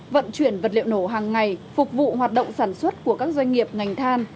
vận chuyển vật liệu nổ hàng ngày phục vụ hoạt động sản xuất của các doanh nghiệp ngành than